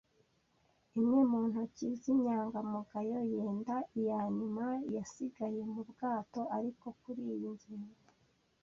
imwe mu ntoki zinyangamugayo - yenda iyanyuma yasigaye mu bwato. Ariko kuri iyi ngingo I.